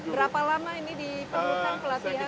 berapa lama ini diperlukan pelatihan